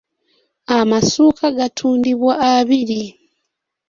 Amasuuka gatundibwa abiri.